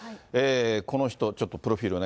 この人、ちょっとプロフィールお願